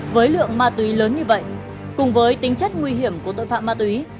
với lượng ma túy lớn như vậy cùng với tính chất nguy hiểm của tội phạm ma túy